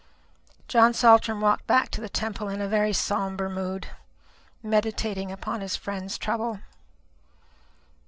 John Saltram walked back to the Temple in a very sombre mood, meditating upon his friend's trouble.